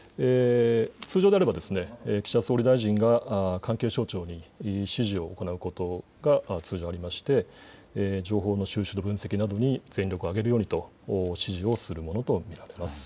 通常であれば岸田総理大臣が関係省庁に指示を行うことが通常ありまして情報の収集、分析などに全力を挙げるようにと指示をするものと見られます。